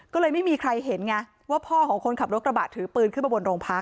ก็เลยไม่มีใครเห็นไงว่าพ่อของคนขับรถกระบะถือปืนขึ้นมาบนโรงพัก